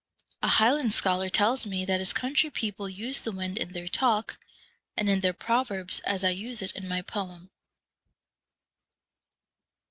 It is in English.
A highland scholar tells me that his country people use the wind in their talk and in their proverbs as I use it in my poem.